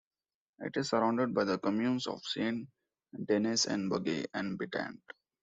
It is surrounded by the communes of Saint-Denis-en-Bugey, and Bettant.